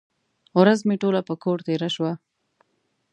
ورځ مې ټوله په کور تېره شوه.